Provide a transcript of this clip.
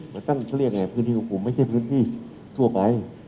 มันต้องเค้าเรียกอย่างไรพื้นที่ควบคุมไม่ใช่พื้นที่ทั่วไป